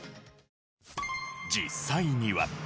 実際には。